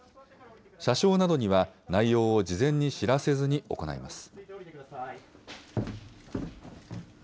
車掌などには内容を事前に知らせずに行います。